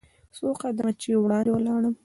څو قدمه چې وړاندې ولاړ .